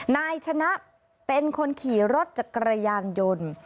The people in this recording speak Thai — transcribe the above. นายชนะเป็นคนขี่รถจักรยานยนต์